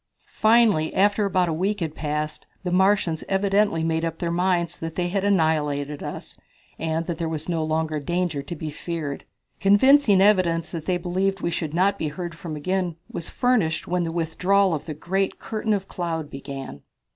Finally, after about a week had passed, the Martians evidently made up their minds that they had annihilated us, and that there was no longer danger to be feared. Convincing evidence that they believed we should not be heard from again was furnished when the withdrawal of the great curtain of cloud began.